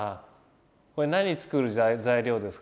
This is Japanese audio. これ何作る材料ですか？